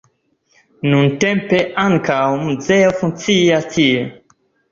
Nuntempe ankaŭ muzeo funkcias tie.